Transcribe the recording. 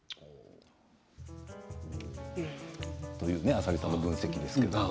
浅利さんの分析ですけど。